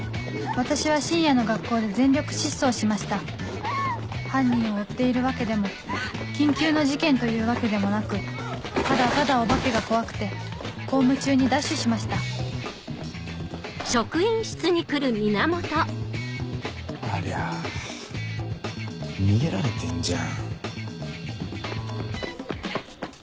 私は深夜の学校で全力疾走しました犯人を追っているわけでも緊急の事件というわけでもなくただただお化けが怖くて公務中にダッシュしましたありゃ逃げられてんじゃん。